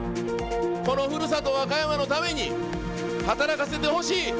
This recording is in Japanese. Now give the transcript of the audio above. このふるさと和歌山のために働かせてほしい。